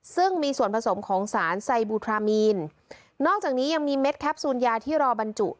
ซึ่งมีส่วนผสมของสารไซบูทรามีนนอกจากนี้ยังมีเม็ดแคปซูลยาที่รอบรรจุ